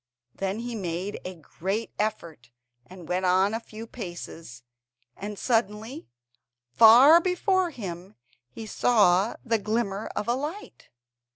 Then he made a great effort and went on a few paces, and suddenly, far before him, he saw the glimmer of a light.